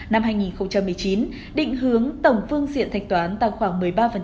năm hai nghìn một mươi chín định hướng tổng phương diện thanh toán tăng khoảng một mươi ba